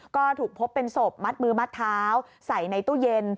ก็ถูกพบเป็นศพมัดมือมัดเท้าใส่ในตู้เย็น